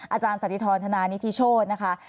อาจารย์สันติธรธนานิธิโชธนะคะ